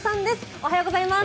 おはようございます。